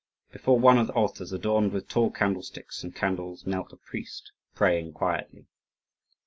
Before one of the altars, adorned with tall candlesticks and candles, knelt a priest praying quietly.